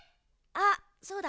あそうだ。